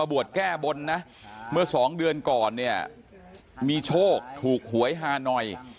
บวชแก้บนนะเมื่อสองเดือนก่อนเนี่ยมีโชคถูกหวยฮานอย